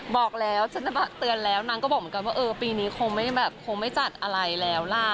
บอกแล้วเตือนแล้วนางก็บอกเหมือนกันว่าเออปีนี้คงไม่แบบคงไม่จัดอะไรแล้วล่ะ